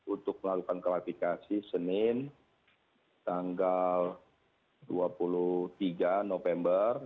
untuk melakukan klarifikasi senin tanggal dua puluh tiga november